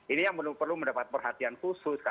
ini yang perlu mendapat perhatian khusus